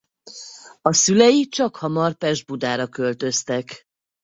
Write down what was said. A szülei csakhamar Pest-Budára költöztek.